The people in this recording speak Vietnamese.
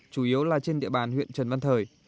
chủ yếu là trên địa bàn huyện trần văn thời